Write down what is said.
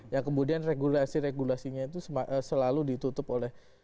yang kemudian regulasi regulasinya itu selalu ditutup oleh